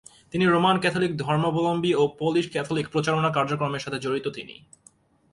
তিনি Roman Catholic ধর্মাবলম্বী ও পোলিশ ক্যাথলিক প্রচারণা কার্যক্রমের সাথে জড়িত তিনি।